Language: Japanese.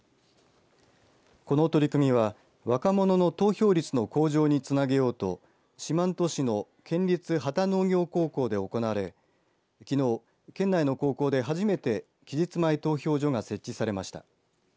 この取り組みは若者の投票率の向上につなげようと四万十市の県立幡多農業高校で行われきのう、県内の高校で初めて期日前投票所が設置されました。